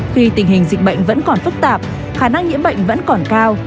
khi tình hình dịch bệnh vẫn còn phức tạp khả năng nhiễm bệnh vẫn còn cao